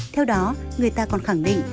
theo đó người ta còn khẳng định